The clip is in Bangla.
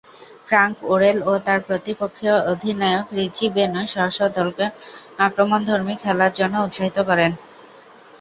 ফ্রাঙ্ক ওরেল ও তার প্রতিপক্ষীয় অধিনায়ক রিচি বেনো স্ব-স্ব দলকে আক্রমণধর্মী খেলার জন্যে উৎসাহিত করেন।